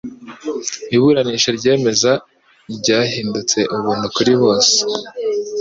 Iburanisha ryemeza ryahindutse ubuntukuribose